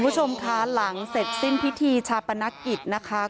คุณผู้ชมคะหลังเสร็จสิ้นพิธีชาปนกิจนะคะ